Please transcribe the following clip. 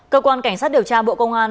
cơ quan cảnh sát điều tra bộ công an